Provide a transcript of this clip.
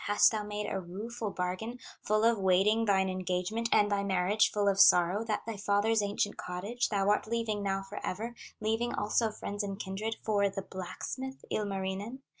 Hast thou made a rueful bargain, Full of wailing thine engagement, And thy marriage full of sorrow, That thy father's ancient cottage Thou art leaving now forever, Leaving also friends and kindred, For the blacksmith, Ilmarinen?